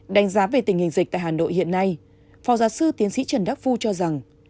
đánh giá về tình hình dịch tại hà nội hiện nay phó giáo sư tiến sĩ trần đắc phu cho rằng